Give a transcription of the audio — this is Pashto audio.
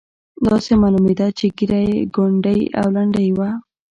داسې معلومېده چې ږیره یې کونډۍ او لنډۍ وه.